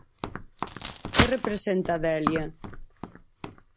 Que representa Delia?